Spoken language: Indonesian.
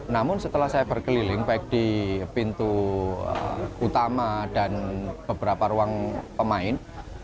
namun setelah saya berkeliling baik di pintu utama dan beberapa ruang pemain